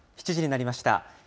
７時になりました。